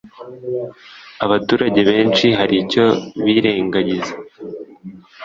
abaturage benshi hari icyo birengagiza